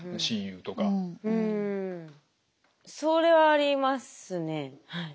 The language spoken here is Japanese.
うんそれはありますねはい。